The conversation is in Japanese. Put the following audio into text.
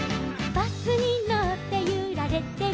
「バスにのってゆられてる」